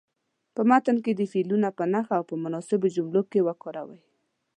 په متن کې دې فعلونه په نښه او په مناسبو جملو کې وکاروئ.